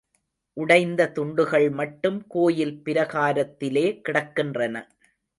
உடைந்த துண்டுகள் மட்டும் கோயில் பிராகாரத்திலே கிடக்கின்றன.